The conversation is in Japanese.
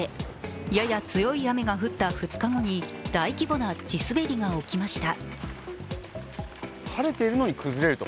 やや強い雨が降った２日後に大規模な地滑りが起きました。